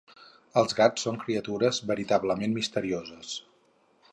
Els gats són criatures veritablement misterioses.